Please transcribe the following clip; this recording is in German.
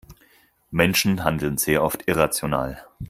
Menschen handeln sehr oft irrational.